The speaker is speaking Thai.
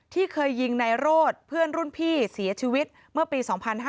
เคยยิงนายโรธเพื่อนรุ่นพี่เสียชีวิตเมื่อปี๒๕๕๙